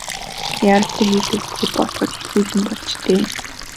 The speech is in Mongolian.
Яаралтай хэл өгөхөөр бодоход хэцүү л юм болж дээ.